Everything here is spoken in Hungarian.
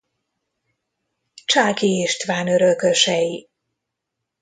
Csáky István örökösei.